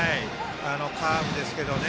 カーブですけどね。